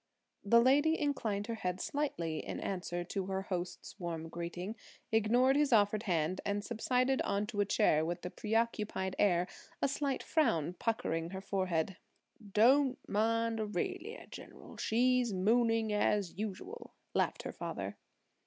The lady inclined her head slightly in answer to her host's warm greeting, ignored his offered hand, and subsided onto a chair with a preoccupied air, a slight frown puckering her forehead. "Don't mind Aurelia, General; she's mooning as usual," laughed her father.